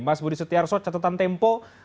mas budi setiarso catatan tempo bagaimana mbak